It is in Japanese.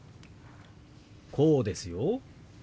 こうですよ。